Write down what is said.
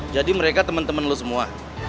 jadi mereka temen temen lu semua